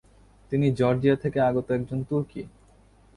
তিনি জর্জিয়া থেকে আগত একজন তুর্কি।